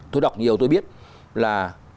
tôi đọc nhiều tôi biết là